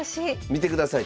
見てください。